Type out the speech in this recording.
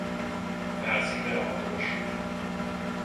Felszíne ragadós.